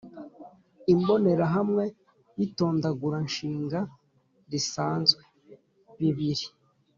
imbonerahamwe y'itondaguranshinga risanzwe ( bibiri)